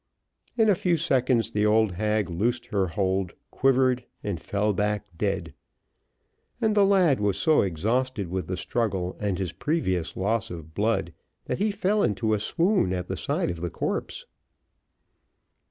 In a few seconds the old hag loosed her hold, quivered, and fell back dead; and the lad was so exhausted with the struggle, and his previous loss of blood, that he fell into a swoon at the side of the corpse.